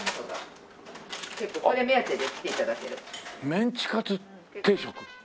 「メンチカツ定食」